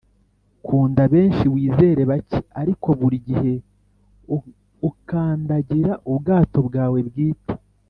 kunda benshi, wizere bake, ariko burigihe ukandagira ubwato bwawe bwite